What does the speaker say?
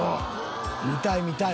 見たい見たい！